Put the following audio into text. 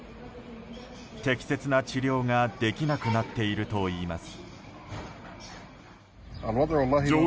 適切な治療ができなくなっているといいます。